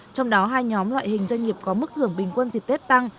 trong đó hai nhóm loại hình doanh nghiệp có mức thưởng bình quân dịp tết tăng